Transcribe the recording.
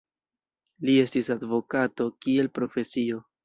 Li estis advokato kiel profesio.